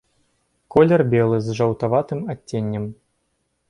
Колер белы з жаўтаватым адценнем.